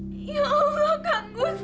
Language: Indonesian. ya allah kang gustaf